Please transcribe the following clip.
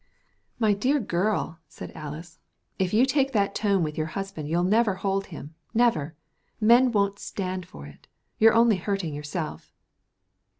"My dear girl," said Alys, "if you take that tone with your husband you'll never hold him never. Men won't stand for it. You're only hurting yourself."